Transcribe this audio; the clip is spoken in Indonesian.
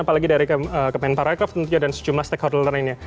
apalagi dari kemen paragraf tentunya dan sejumlah stakeholder lainnya